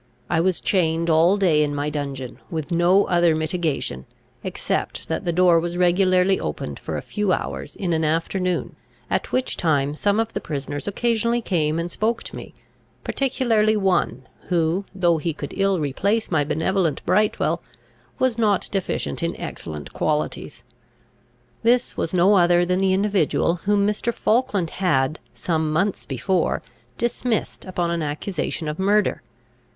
I was chained all day in my dungeon, with no other mitigation, except that the door was regularly opened for a few hours in an afternoon, at which time some of the prisoners occasionally came and spoke to me, particularly one, who, though he could ill replace my benevolent Brightwel, was not deficient in excellent qualities. This was no other than the individual whom Mr. Falkland had, some months before, dismissed upon an accusation of murder.